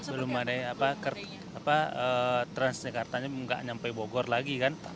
belum ada apa transjakarta nya nggak nyampe bogor lagi kan